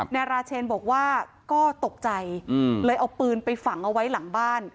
นายราเชนบอกว่าก็ตกใจเลยเอาปืนไปฝังเอาไว้หลังบ้าน